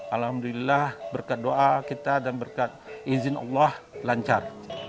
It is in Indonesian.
alhamdulillah berkat doa kita dan berkat izin allah lancar